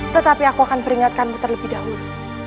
tetapi aku akan peringatkanmu terlebih dahulu